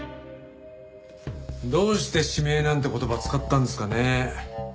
どうして「指名」なんて言葉使ったんですかね？